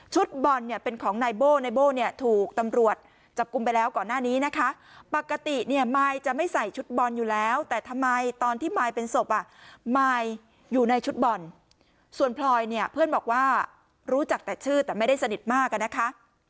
บอลเนี่ยเป็นของนายโบ้ในโบ้เนี่ยถูกตำรวจจับกลุ่มไปแล้วก่อนหน้านี้นะคะปกติเนี่ยมายจะไม่ใส่ชุดบอลอยู่แล้วแต่ทำไมตอนที่มายเป็นศพอ่ะมายอยู่ในชุดบอลส่วนพลอยเนี่ยเพื่อนบอกว่ารู้จักแต่ชื่อแต่ไม่ได้สนิทมากอะนะคะ